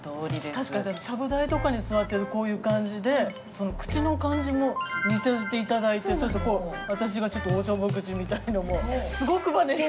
確かにちゃぶ台とかに座ってるとこういう感じで口の感じも似せて頂いてちょっとこう私がちょっとおちょぼ口みたいのもすごくまねして。